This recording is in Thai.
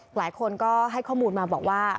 หลายคนก็ให้ข้อมูลมาบอกว่า